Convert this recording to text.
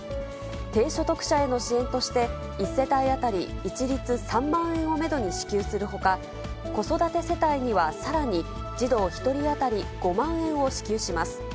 低所得者への支援として、１世帯当たり一律３万円をメドに支給するほか、子育て世帯にはさらに、児童１人当たり５万円を支給します。